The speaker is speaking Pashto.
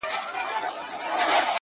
o د هجرت غوټه تړمه روانېږم؛